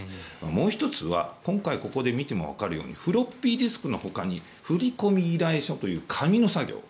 もう１つは今回ここで見てもわかるようにフロッピーディスクのほかに振込依頼書という紙の作業。